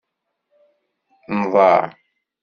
Nḍaɛ.